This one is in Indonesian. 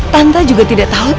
tante juga tidak tahu